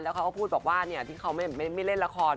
เขาก็พูดบอกว่าที่เขาไม่เล่นละคร